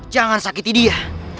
jangan sakiti dia